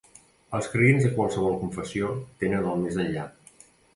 Els creients de qualsevol confessió tenen el més enllà.